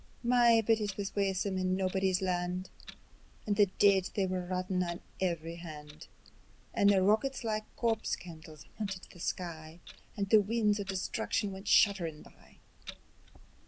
My! but it wis waesome on Naebuddy's Land, And the deid they were rottin' on every hand. And the rockets like corpse candles hauntit the sky, And the winds o' destruction went shudderin' by.